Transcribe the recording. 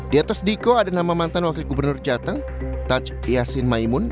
di atas diko ada nama mantan wakil gubernur jateng taj yasin maimun